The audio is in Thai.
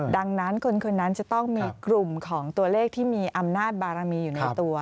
ดังนั้นคนนั้นจะต้องมีกลุ่มของตัวเลขที่มีอำนาจบารมีอยู่ในตัว